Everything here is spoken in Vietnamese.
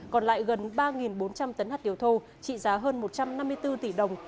còn lại gần ba bốn trăm linh tấn hạt điều thô trị giá hơn một trăm năm mươi bốn tỷ đồng